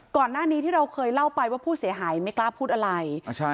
ก่อนหน้านี้ที่เราเคยเล่าไปว่าผู้เสียหายไม่กล้าพูดอะไร